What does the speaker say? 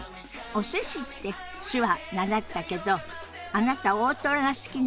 「お寿司」って手話習ったけどあなた大トロが好きなんですって？